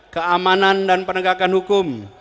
keamanan dan penegakan hukum